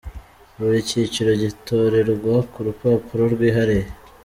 Buri cyiciro gitorerwa ku rupapuro rwihariye.